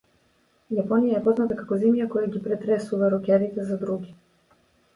Јапонија е позната како земја која ги претресува рокерите за дроги.